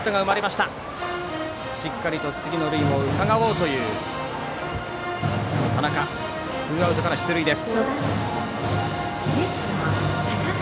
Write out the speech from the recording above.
しっかりと次の塁もうかがおうという田中ツーアウトから出塁です。